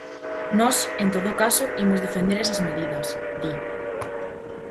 "Nós, en todo caso, imos defender esas medidas", di.